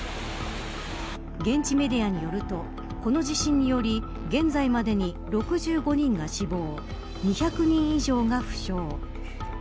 現地メディアによるとこの地震により現在までに６５人が死亡２００人以上が負傷。